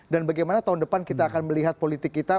dan bagaimana tahun depan kita akan melihat politik itu